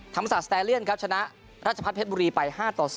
ธรรมศาสตร์สแตรเลียนครับชนะราชพัฒน์เพชรบุรีไป๕๒